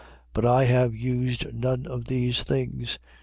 9:15. But I have used none of these things.